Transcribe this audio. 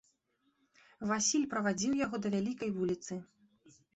Васіль правадзіў яго да вялікай вуліцы.